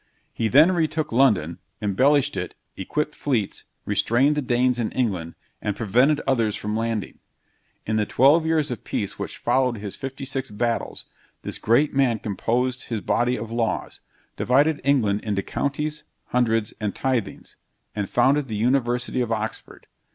He then retook London, embellished it, equipped fleets, restrained the Danes in England, and prevented others from landing. In the twelve years of peace which followed his fifty six battles, this great man composed his body of laws; divided England into counties, hundreds, and tithings, and founded the University of Oxford.